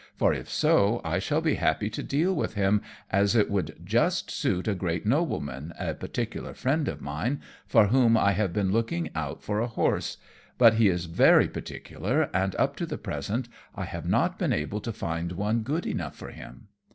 For if so I shall be happy to deal with him, as it would just suit a great nobleman, a particular friend of mine, for whom I have been looking out for a horse; but he is very particular, and up to the present I have not been able to find one good enough for him."